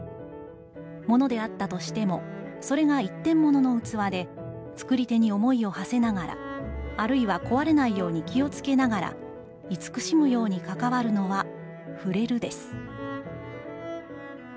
「物であったとしても、それが一点物のうつわで、作り手に想いを馳せながら、あるいは壊れないように気をつけながらいつくしむようにかかわるのは『ふれる』です」。